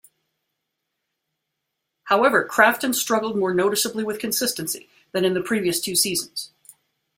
However, Crafton struggled more noticeably with consistency than in the previous two season.